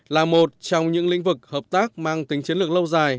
là một trong những lĩnh vực hợp tác mang tính chiến lược lâu dài